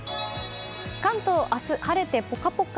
関東、明日晴れてポカポカ。